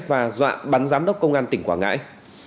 và dọa bắn giám đốc công an tỉnh quảng ngãi